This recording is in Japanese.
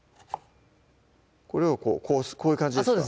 これをこういう感じですか？